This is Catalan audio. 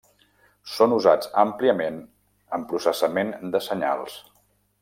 Són usats àmpliament en processament de senyals.